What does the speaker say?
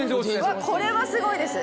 これはすごいです。